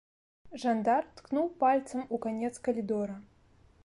Жандар ткнуў пальцам у канец калідора.